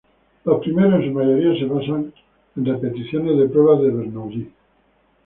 Los primeros, en su mayoría se basan en repeticiones de pruebas de "Bernoulli".